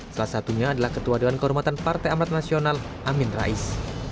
salah satunya adalah ketua dewan kehormatan partai amat nasional amin rais